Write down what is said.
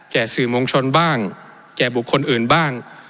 สื่อมวลชนบ้างแก่บุคคลอื่นบ้าง